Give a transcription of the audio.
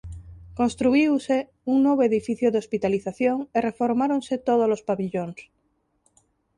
Construíuse un novo edificio de hospitalización e reformáronse tódolos pavillóns.